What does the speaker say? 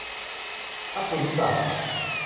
นักภูมิศาสตร์